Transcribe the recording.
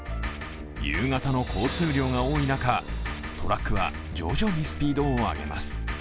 夕方の交通量が多い中、トラックは徐々にスピードを上げます。